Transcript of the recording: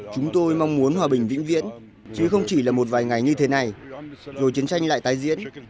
chúng tôi mong muốn hòa bình vĩnh viễn chứ không chỉ là một vài ngày như thế này rồi chiến tranh lại tái diễn